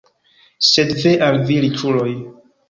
Sed ve al vi riĉuloj!